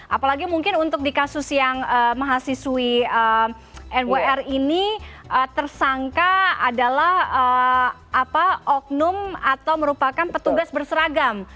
apalagi mungkin untuk di kasus yang mahasiswi nwr ini tersangka adalah oknum atau merupakan petugas berseragam